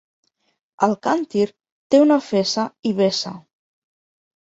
El càntir té una fesa i vessa.